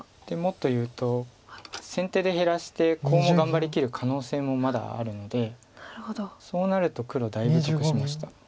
でもっと言うと先手で減らしてコウも頑張りきる可能性もまだあるのでそうなると黒だいぶ得しました。